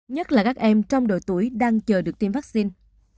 nhất là các em trong độ tuổi đang chờ được tiêm vaccine